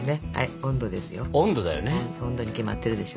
温度に決まってるでしょ。